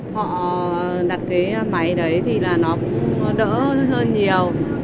họ đặt cái máy đấy thì là nó cũng đỡ hơn nhiều